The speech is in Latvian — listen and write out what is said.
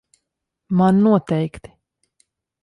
Man noteikti.